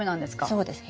そうです。